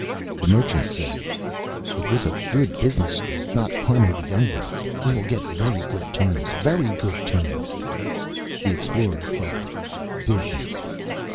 The Merchant said, "It was a good business stroke, not harming the young ones. We will get very good terms; very good terms." The Explorer thought: Business!